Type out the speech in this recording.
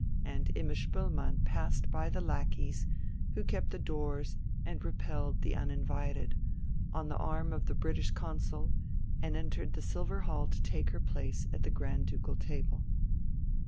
And Imma Spoelmann passed by the lackeys, who kept the doors and repelled the uninvited, on the arm of the British Consul, and entered the Silver Hall to take her place at the Grand Ducal table.